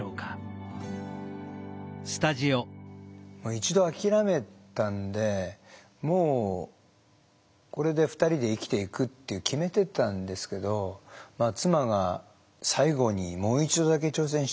一度諦めたんでもうこれで２人で生きていくって決めてたんですけど妻が最後にもう一度だけ挑戦させて下さいということで。